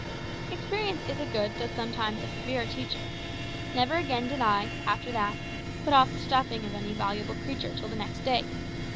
Experience is a good though sometimes a severe teacher. Never again did I, after that, put off the stuffing of any valuable creature till the next day.